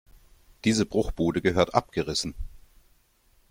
Diese Bruchbude gehört abgerissen.